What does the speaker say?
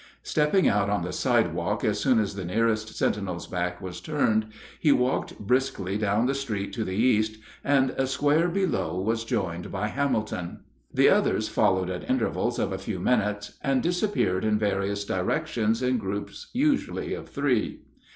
Stepping out on the sidewalk as soon as the nearest sentinel's back was turned, he walked briskly down the street to the east, and a square below was joined by Hamilton. The others followed at intervals of a few minutes, and disappeared in various directions in groups usually of three.